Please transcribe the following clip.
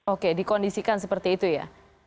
oke dikondisikan seperti itu ya